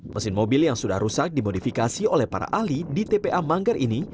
mesin mobil yang sudah rusak dimodifikasi oleh para ahli di tpa manggar ini